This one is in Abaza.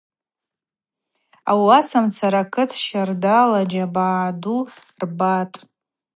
Ауасамцара акыт щардала джьабагӏа ду рбатӏ.